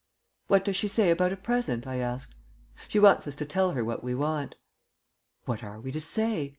"What does she say about a present?" I asked. "She wants us to tell her what we want." "What are we to say?